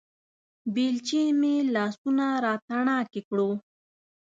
بېلچې مې لاسونه راتڼاکې کړو